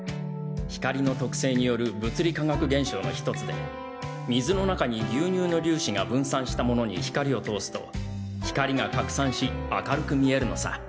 光の特性による物理化学現象の１つで水の中に牛乳の粒子が分散したものに光を通すと光が拡散し明るく見えるのさ！